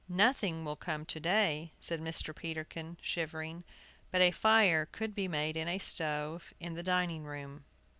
"Nothing will come to day," said Mr. Peterkin, shivering. But a fire could be made in a stove in the dining room.